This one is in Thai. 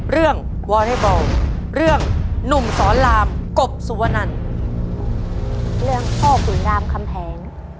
เรื่องวอเทบอลเรื่องหนุ่มสอนรามกบสุวนันเรื่องพ่อคุณรามคำแผง